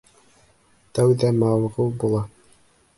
Тәүҙә мауығыу була.